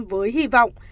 với hy vọng